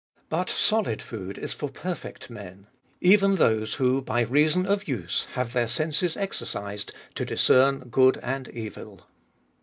14. But solid food is for perfect men, even those who by reason of use have their senses exercised to discern good and evil.